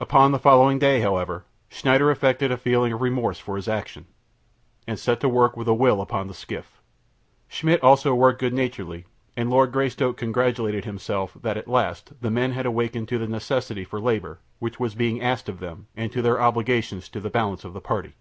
Upon the following day, however, Schneider affected a feeling of remorse for his action, and set to work with a will upon the skiff. Schmidt also worked good naturedly, and Lord Greystoke congratulated himself that at last the men had awakened to the necessity for the labour which was being asked of them and to their obligations to the balance of the party.